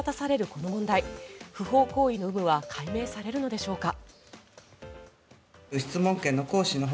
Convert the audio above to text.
この問題不法行為の有無は解明されるのでしょうか。